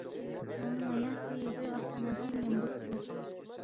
کھیانگ ن٘یا سی گوے وخ لہ ن٘دانگ نہ ن٘یمبو کِھدے گوید